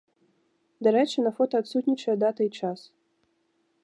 Дарэчы, на фота адсутнічае дата і час.